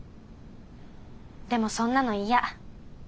でもそんなの嫌。